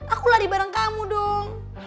aku lari bareng kamu dong